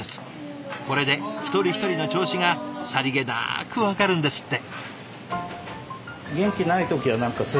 これで一人一人の調子がさりげなく分かるんですって。